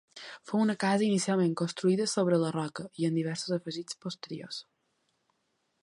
Fou una casa inicialment construïda sobre la roca i amb diversos afegits posteriors.